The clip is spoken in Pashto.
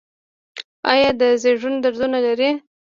ایا د زیږون دردونه لرئ؟